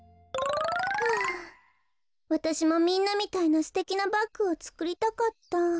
はあわたしもみんなみたいなすてきなバッグをつくりたかった。